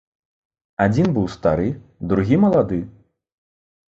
Адзін быў стары, другі малады.